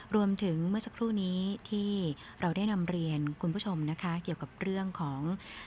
เมื่อสักครู่นี้ที่เราได้นำเรียนคุณผู้ชมนะคะเกี่ยวกับเรื่องของ